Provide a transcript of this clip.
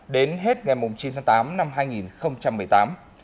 đến hết ngày chín tháng tám năm hai nghìn một mươi tám